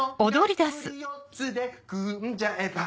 がっぷり四つで組んじゃえば？